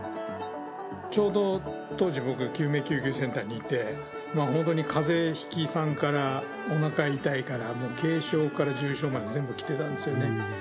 ちょうど当時、僕が救命救急センターにいて、本当にかぜひきさんからおなか痛いから、軽症から重症まで全部来ていたんですよね。